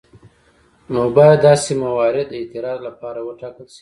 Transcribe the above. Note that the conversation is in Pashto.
نو باید داسې موارد د اعتراض لپاره وټاکل شي.